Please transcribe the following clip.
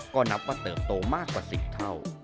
ก็นับว่าเติบโตมากกว่า๑๐เท่า